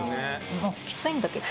きついんだけど。